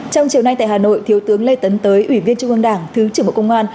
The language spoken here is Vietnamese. trong chiều nay tại hà nội thiếu tướng lê tấn tới ủy viên trung ương đảng thứ trưởng bộ công an